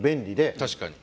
確かに。